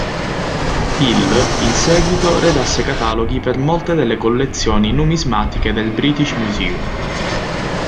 Hill in seguito redasse cataloghi per molte delle collezioni numismatiche del British Museum.